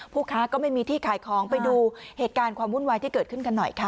ค้าก็ไม่มีที่ขายของไปดูเหตุการณ์ความวุ่นวายที่เกิดขึ้นกันหน่อยค่ะ